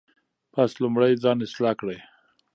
پس لومړی ځان اصلاح کړئ.